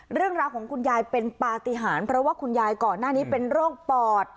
เรื่องราวของคุณยายเป็นปฏิหารเพราะว่าคุณยายก่อนหน้านี้เป็นโรคปอด